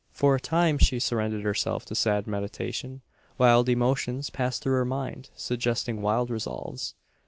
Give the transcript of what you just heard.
For a time she surrendered herself to sad meditation. Wild emotions passed through her mind, suggesting wild resolves.